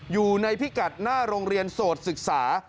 พิกัดหน้าโรงเรียนโสดศึกษา